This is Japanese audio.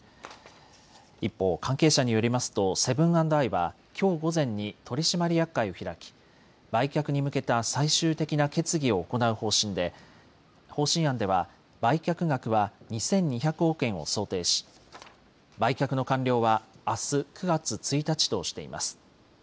一方、関係者によりますとセブン＆アイはきょう午前に取締役会を開き売却に向けた最終的な決議を行う方針で方針案では売却額は２２００億円を想定し売却の完了はあす９月１日としています。